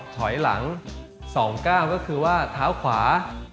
ถอยหลัง๒๙ก็คือว่าเท้าขวา